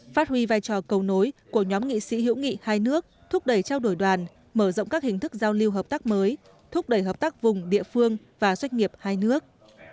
phát huy vai trò cầu nối của nhóm nghị sĩ hữu nghị hai nước thúc đẩy trao đổi đoàn mở rộng các hình thức giao lưu hợp tác mới thúc đẩy hợp tác vùng địa phương và doanh nghiệp hai nước